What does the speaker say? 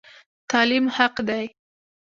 تعلیم حق دی